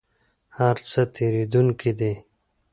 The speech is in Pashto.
هر څه تیریدونکي دي؟